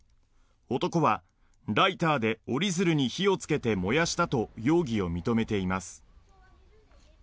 男は、ライターで折り鶴に火をつけて燃やしたと容疑を認めています。